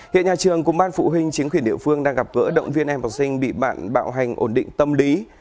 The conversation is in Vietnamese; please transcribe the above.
hiện nhà trường cùng ban phụ huynh chính quyền địa phương đang gặp gỡ động viên em học sinh bị bạn bạo hành ổn định tâm lý